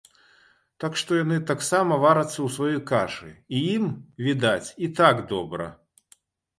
Так што, яны таксама варацца ў сваёй кашы і ім, відаць, і так добра.